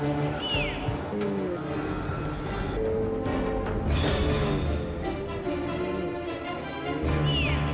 ini jalan enggak benar